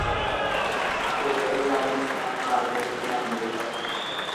তোমরা বলিয়া থাক যে, আমরা হিন্দুরা আমাদের নারীদের প্রতি মন্দ ব্যবহার করি।